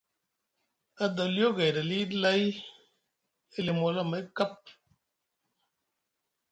Adoliyo gayɗi aliɗi lay e limi wala amay kap.